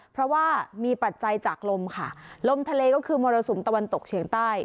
เพราะว่ามีปัจจัยจากลมค่ะลมทะเลก็คือมรสุมตะวันตกเฉียงใต้